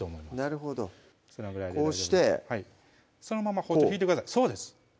なるほどこうしてはいそのまま包丁引いてくださいそうです